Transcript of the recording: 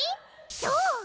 そう！